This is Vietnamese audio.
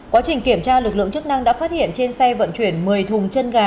quá trình kiểm tra lực lượng chức năng đã phát hiện trên xe vận chuyển một mươi thùng chân gà